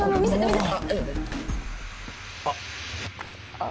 あっ。